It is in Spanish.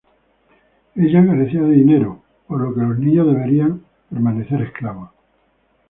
Ella carecía del dinero por lo que los niños deberían permanecer esclavos.